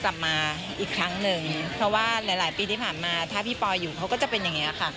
แล้วก็เมื่อวานไม่ว่าความรู้สึก